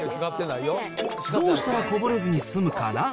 どうしたらこぼれずに済むかな？